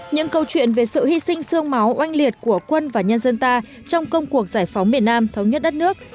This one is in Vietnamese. những câu chuyện về sự hy sinh sương máu oanh liệt của quân và nhân dân ta trong công cuộc giải phóng miền nam thống nhất đất nước